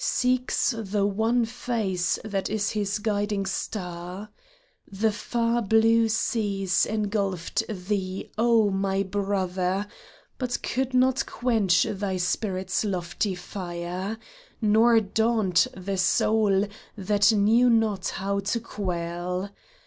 Seeks the one face that is his guiding star ? The far blue seas engulfed thee, oh ! my brother, But could not quench thy spirit's lofty fire. Nor daunt the soul that knew not how to quail.